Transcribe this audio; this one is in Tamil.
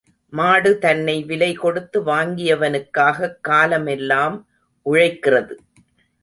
மாடு தன்னை விலைகொடுத்து வாங்கியவனுக்காகக் காலமெல்லாம் உழைக்கிறது.